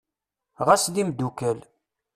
Ɣes d imddukal.